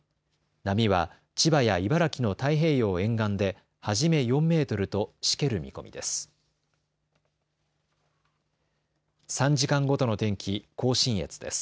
波は千葉や茨城の太平洋沿岸で初め４メートルとしける見込みです。